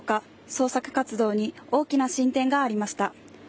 捜索活動に大きな進展がありました。